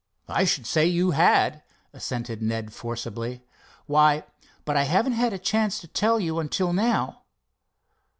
"I should say you had," assented Ned forcibly. "Why—but I haven't had a chance to tell you until now."